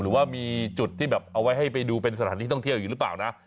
หรือว่ามีจุดที่แบบเอาไว้ให้ไปดูเป็นสถานที่ท่องเที่ยวอยู่หรือเปล่านะ